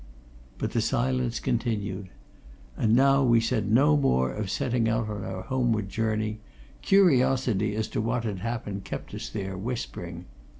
But the silence continued. And now we said no more of setting out on our homeward journey: curiosity as to what had happened kept us there, whispering.